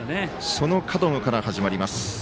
その門野から始まります。